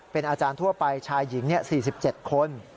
เป็นอาจารย์ทั่วไปชายหญิง๔๗คน